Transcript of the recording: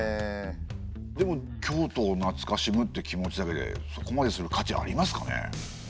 でも京都をなつかしむって気持ちだけでそこまでする価値ありますかね？